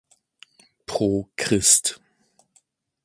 Pro Christ.